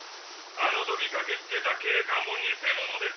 あのとき駆け付けた警官も偽物です！